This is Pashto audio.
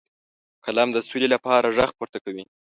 قلم د سولې لپاره غږ پورته کوي